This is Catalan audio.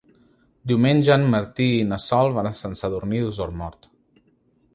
Diumenge en Martí i na Sol van a Sant Sadurní d'Osormort.